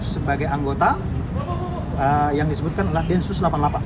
sebagai anggota yang disebutkan adalah densus delapan puluh delapan